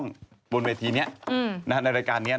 เออประมาณอย่างนั้นเลย